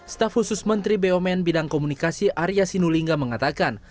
staf khusus menteri bumn bidang komunikasi arya sinulinga mengatakan